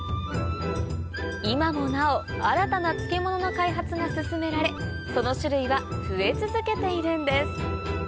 今もなお新たな漬物の開発が進められその種類は増え続けているんです